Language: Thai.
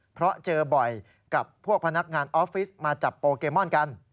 เพราะเจอบ่อยกับพวกพนักงานออฟฟิศมาจับโปเกมอนกัน